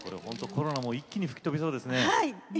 コロナも一気に吹き飛びそうですね。